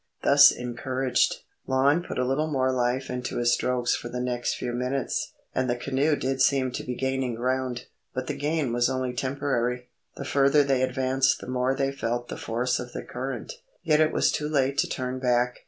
Thus encouraged, Lon put a little more life into his strokes for the next few minutes, and the canoe did seem to be gaining ground. But the gain was only temporary. The further they advanced the more they felt the force of the current. Yet it was too late to turn back.